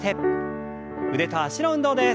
腕と脚の運動です。